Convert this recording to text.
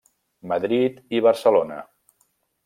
Madrid i Barcelona.